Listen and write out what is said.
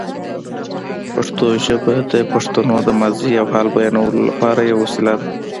پښتو ژبه د پښتنو د ماضي او حال بیانولو لپاره یوه وسیله ده.